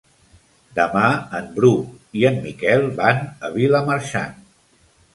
Demà en Bru i en Miquel van a Vilamarxant.